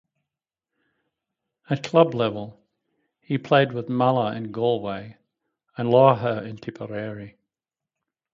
At club level he played with Mullagh in Galway and Lorrha in Tipperary.